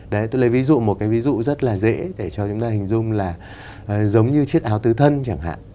đấy tôi lấy ví dụ một cái ví dụ rất là dễ để cho chúng ta hình dung là giống như chiếc áo tứ thân chẳng hạn